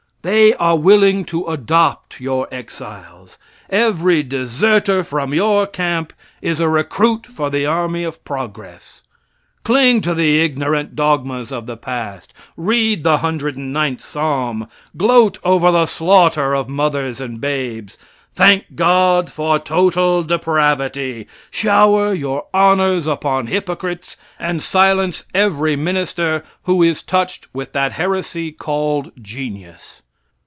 They are willing to adopt your exiles. Every deserter from your camp is a recruit for the army of progress. Cling to the ignorant dogmas of the past; read the 109th Psalm; gloat over the slaughter of mothers and babes; thank God for total depravity; shower your honors upon hypocrites, and silence every minister who is touched with that heresy called genius.